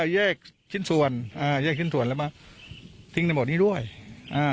แยกชิ้นส่วนอ่าแยกชิ้นส่วนแล้วมาทิ้งในโหมดนี้ด้วยอ่า